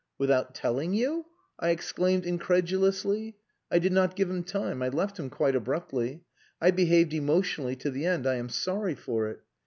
"Without telling you!" I exclaimed incredulously. "I did not give him time. I left him quite abruptly. I behaved emotionally to the end. I am sorry for it.